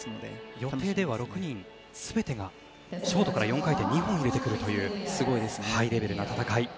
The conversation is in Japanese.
予定では６人全てがショートから４回転２本入れてくるというハイレベルな戦いです。